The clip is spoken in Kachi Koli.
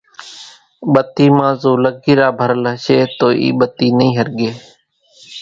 ٻتي مان زو لگيرا ڀرل ھشي تو اِي ٻتي نئي ۿرڳي